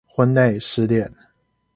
婚內失戀